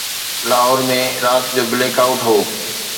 لاهور ۾ رات جو blackout هو.